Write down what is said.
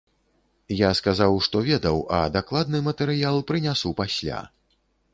Я сказаў, што ведаў, а дакладны матэрыял прынясу пасля.